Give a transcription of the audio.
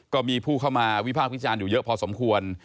ก็มีผู้เข้ามาวิภาควิจารณ์อยู่เยอะพอสมควร